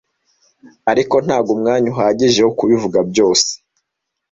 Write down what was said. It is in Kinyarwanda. ariko ntabwo umwanya uhagije wo kubivuga byose.